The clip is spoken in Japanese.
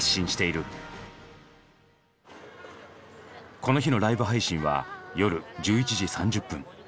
この日のライブ配信は夜１１時３０分。